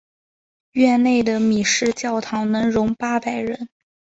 院内的米市教堂能容八百人。